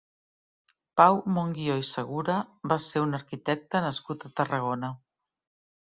Pau Monguió i Segura va ser un arquitecte nascut a Tarragona.